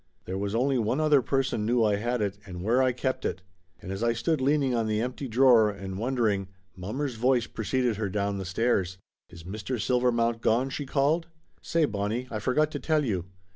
There was only one other person knew I had it, and where I kept it. And as I stood leaning on the empty drawer and wondering, mommer's voice preceded her down the stairs. "Is Mr. Silvermount gone ?" she called. "Say, Bon nie, I forgot to tell you.